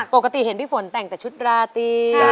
ปกติเห็นพี่ฝนแต่งชุดราติ